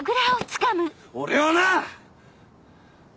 俺はな！